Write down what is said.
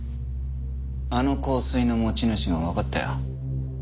あの香水の持ち主もわかったよ。